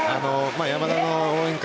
山田の応援歌